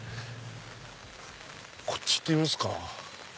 こっち行ってみますか。